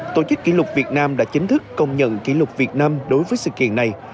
tổ chức kỷ lục việt nam đã chính thức công nhận kỷ lục việt nam đối với sự kiện này